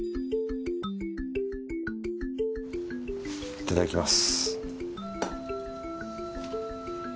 いただきます。